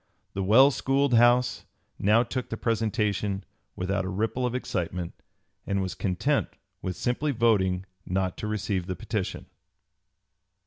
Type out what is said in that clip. The well schooled House now took the presentation without a ripple of excitement, and was content with simply voting not to receive the petition.